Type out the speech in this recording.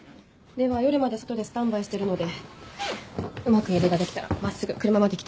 では夜まで外でスタンバイしてるのでうまく家出ができたら真っすぐ車まで来てください。